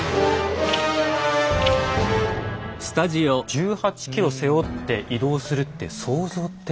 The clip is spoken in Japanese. １８ｋｇ背負って移動するって想像ってできますか？